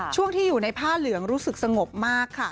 ช่วงที่อยู่ในผ้าเหลืองรู้สึกสงบมากค่ะ